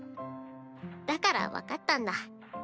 だから分かったんだ